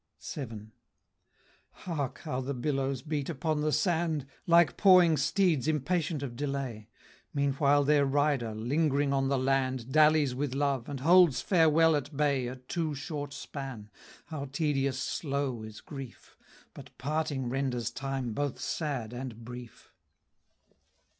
VII. Hark! how the billows beat upon the sand! Like pawing steeds impatient of delay; Meanwhile their rider, ling'ring on the land, Dallies with love, and holds farewell at bay A too short span. How tedious slow is grief! But parting renders time both sad and brief.